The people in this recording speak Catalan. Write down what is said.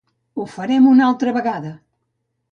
Ho farem una altra vegada!